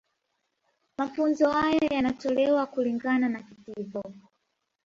Mafunzo haya yanatolewa kulingana na kitivo